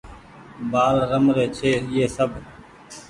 بآل رمري ڇي ايئي سب ۔